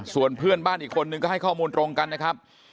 ส่วนเพื่อนบ้านอีกคนนึงก็ให้ข้อมูลตรงกันนะครับ